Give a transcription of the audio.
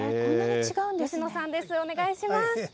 吉野さんです、お願いします。